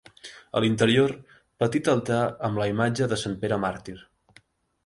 A l'interior, petit altar amb la imatge de Sant Pere màrtir.